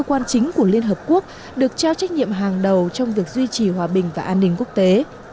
quan chính của liên hợp quốc được trao trách nhiệm hàng đầu trong việc duy trì hòa bình và an ninh quốc tế